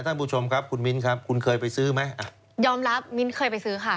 ท่านผู้ชมครับคุณมิ้นครับคุณเคยไปซื้อไหมอ่ะยอมรับมิ้นเคยไปซื้อค่ะ